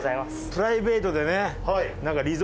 プライベートでね。